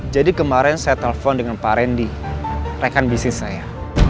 jadi kemarin saya telepon dengan pak randy rekan bisnis saya